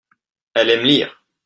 Elle aime lire.